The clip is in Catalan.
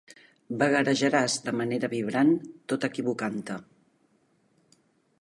Vagarejaràs de manera vibrant tot equivocant-te.